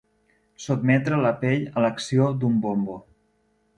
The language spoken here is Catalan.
Sotmetre la pell a l'acció d'un bombo.